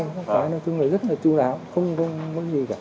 nói chung là rất là chú giáo không có gì cả